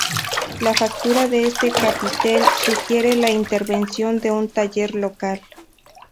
La factura de este capitel sugiere la intervención de un taller local.